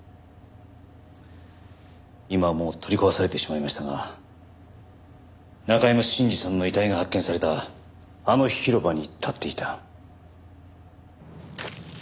今はもう取り壊されてしまいましたが中山信二さんの遺体が発見されたあの広場に立っていた。